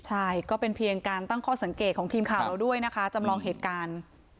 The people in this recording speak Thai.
ใช่ก็เป็นเพียงการตั้งข้อสังเกตของทีมข่าวเราด้วยนะคะจำลองเหตุการณ์